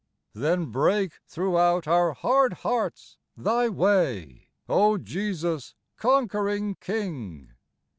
Then break throughout our hard hearts Thy way, O Jesus, conquering King